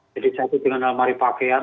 jadi satu dengan almari pakaian